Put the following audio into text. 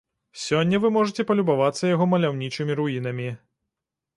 Сёння вы можаце палюбавацца яго маляўнічымі руінамі.